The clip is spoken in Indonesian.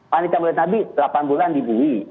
wanita maulid nabi delapan bulan dibui